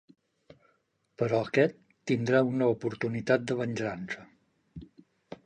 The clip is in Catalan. Però aquest tindrà una oportunitat de venjança.